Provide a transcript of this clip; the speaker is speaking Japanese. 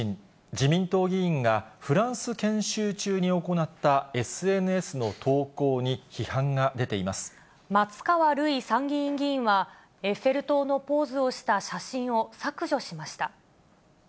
自民党議員がフランス研修中に行ったＳＮＳの投稿に、批判が出て松川るい参議院議員は、エッフェル塔のポーズをした写真を削除しました。